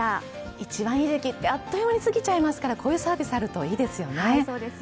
一番いい時期ってあっという間に過ぎちゃいますからこういうサービスあるといいですよね。